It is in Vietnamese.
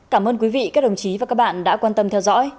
cảm ơn quý vị các đồng chí và các bạn đã quan tâm theo dõi